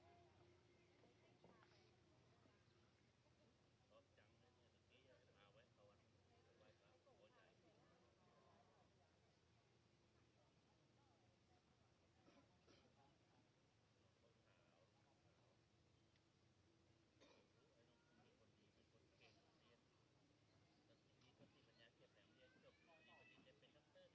โปรดติดตามตอนต่อไป